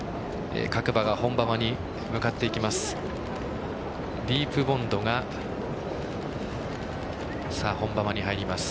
各馬が本馬場に向かっていきます。